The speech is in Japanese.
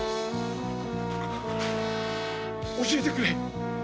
教えてくれ！